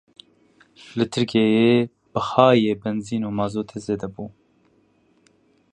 Li Tirkiyeyê bihayê benzîn û mazotê zêde bû.